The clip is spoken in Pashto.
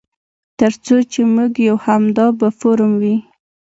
تر څو چې موږ یو همدا به فورم وي.